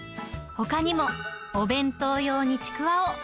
ほかにも、お弁当用にちくわを。